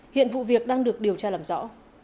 hiện vụ việc đang được điều tra làm rõ